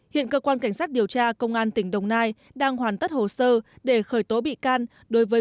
hiện cơ quan cảnh sát điều tra công an tỉnh đồng nai đang hoàn tất hồ sơ để khởi tố bị can đối với